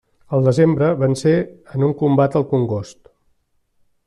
Al desembre vencé en un combat al Congost.